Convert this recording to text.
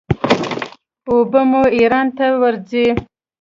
اوبه مو ایران ته ورځي.